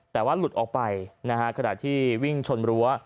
แต่ว่าหลุดออกไปนะฮะขณะที่วิ่งชนรั้ว